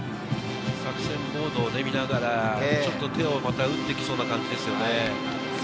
作戦ボードを見ながら、ちょっと手を打ってきそうな感じですね。